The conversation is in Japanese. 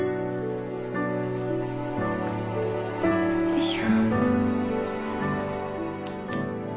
よいしょ。